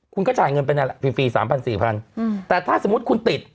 คุณก็จ่ายเงินไปไหนแหละฟรี๓๐๐๐๔๐๐๐แต่ถ้าสมมุติคุณติด